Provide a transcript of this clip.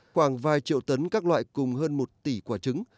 khoảng vài triệu tấn các loại cùng hơn một tỷ quả trứng